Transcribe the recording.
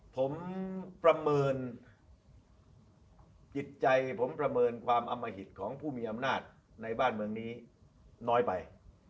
ผมประเมินจิตใจผมประเมินความอมหิตของผู้มีอำนาจในบ้านเมืองนี้น้อยไป